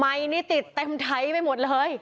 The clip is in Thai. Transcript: นี่ติดเต็มไทยไปหมดเลย